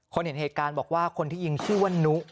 เห็นเหตุการณ์บอกว่าคนที่ยิงชื่อว่านุ